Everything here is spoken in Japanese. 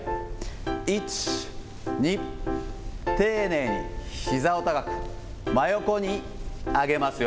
１、２、丁寧に、ひざを高く、真横に上げますよ。